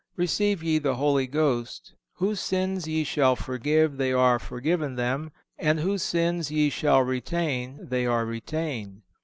Receive ye the Holy Ghost; whose sins ye shall forgive, they are forgiven them, and whose sins ye shall retain, they are retained."